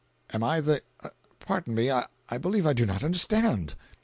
"Am I the—pardon me, I believe I do not understand?"